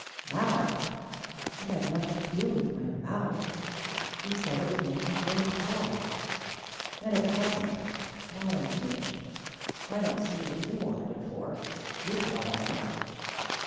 "Mouth? It had nothing to do with my mouth! He said it would make me grow tall. And it hasn't not an inch! I don't see what you wanted it for! You are tall enough."